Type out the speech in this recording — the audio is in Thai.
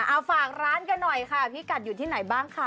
เอาฝากร้านกันหน่อยค่ะพี่กัดอยู่ที่ไหนบ้างคะ